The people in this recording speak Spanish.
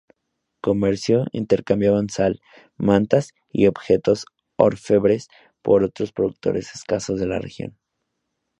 Comercio: intercambiaban sal, mantas y objetos orfebres por otros productos escasos de la región.